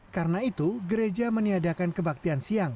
karena itu gereja meniadakan kebaktian siang